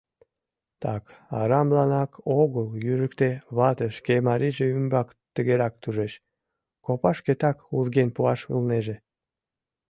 Так арамланак огыл южикте вате шке марийже ӱмбак тыгерак тужеш: «Копашкетак урген пуаш улнеже!